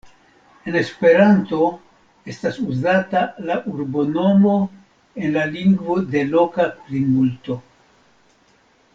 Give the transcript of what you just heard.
En Esperanto estas uzata la urbonomo en la lingvo de loka plimulto.